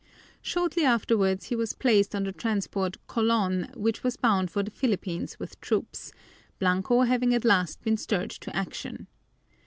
Shortly afterwards, he was placed on the transport Colon, which was bound for the Philippines with troops, Blanco having at last been stirred to action.